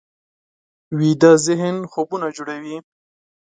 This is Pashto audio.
ویده ذهن خوبونه جوړوي